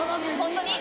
ホントに？